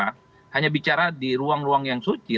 hanya bicara di ruang ruang yang suci